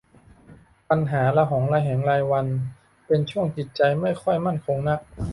ปัญหาระหองระแหงรายวัน เป็นช่วงจิตใจไม่ค่อยมั่นคงนัก